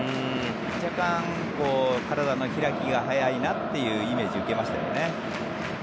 若干、体の開きが早いなというイメージを受けましたけどね。